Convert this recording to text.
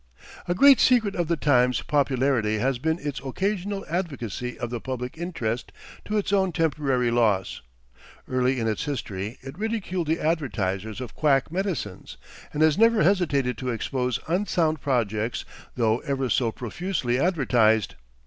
A great secret of "The Times'" popularity has been its occasional advocacy of the public interest to its own temporary loss. Early in its history it ridiculed the advertisers of quack medicines, and has never hesitated to expose unsound projects though ever so profusely advertised.